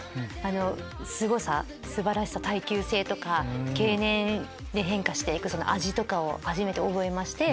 素晴らしさ耐久性とか経年変化していく味とかを初めて覚えまして。